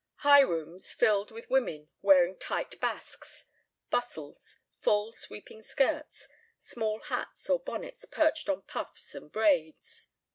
. high rooms filled with women wearing tight basques, bustles, full sweeping skirts, small hats or bonnets perched on puffs and braids.